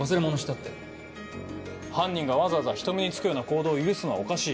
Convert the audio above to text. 何か犯人がわざわざ人目につくような行動を許すのはおかしい。